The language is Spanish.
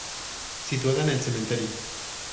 Situada en el cementerio.